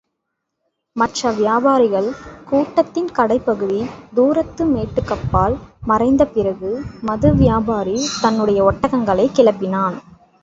மற்ற வியாபாரிகள் கூட்டத்தின் கடைப்பகுதி, தூரத்து மேட்டுக்கப்பால் மறைந்த பிறகு, மது வியாபாரி தன்னுடைய ஒட்டகங்களைக் கிளப்பினான்.